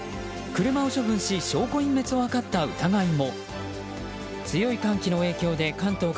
車を処分し証拠隠滅を図った疑いも。